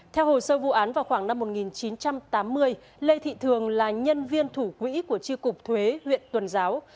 theo hồ sơ vụ án vào khoảng năm một nghìn chín trăm tám mươi lê thị thường là nhân viên thủ quỹ của tri cục thuế huyện tuần giáo